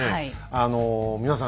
あの皆さん